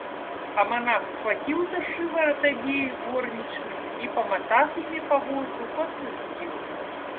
А монах схватил за шиворот обеих горничных и, помотав ими по воздуху, отпустил.